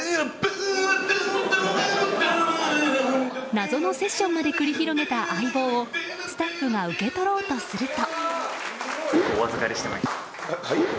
謎のセッションまで繰り広げた相棒をスタッフが受け取ろうとすると。